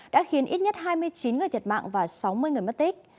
đã khiến ít nhất hai mươi chín người thiệt mạng và sáu mươi người mất tích